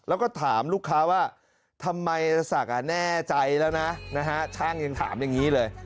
แล้วก็ถามลูกค้าว่าทำไมศักดิ์แน่ใจแล้วนะช่างยังถามอย่างนี้เลย